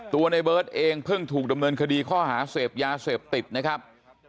ในเบิร์ตเองเพิ่งถูกดำเนินคดีข้อหาเสพยาเสพติดนะครับ